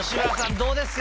どうですか？